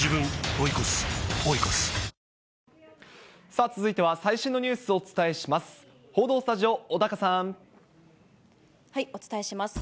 さあ、続いては最新のニュースをお伝えします。